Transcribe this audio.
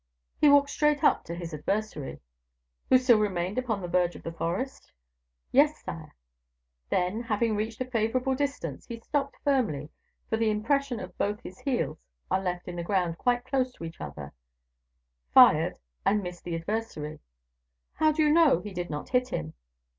"He walked straight up to his adversary." "Who still remained upon the verge of the forest?" "Yes, sire. Then, having reached a favorable distance, he stopped firmly, for the impression of both his heels are left in the ground quite close to each other, fired, and missed his adversary." "How do you know he did not hit him?"